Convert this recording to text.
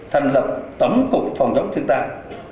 thành lập tổng cục phòng chống thiên tai